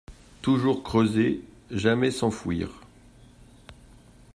Toujours creuser, jamais s’enfouir